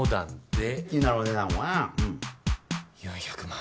４００万。